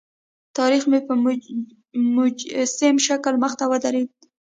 تاریخ مې په مجسم شکل مخې ته ودرېد.